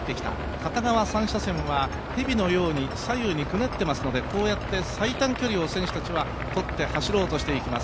片側３車線は蛇のように左右をくねっていますのでこうやって最短距離を選手たちはとって走ろうとしていきます。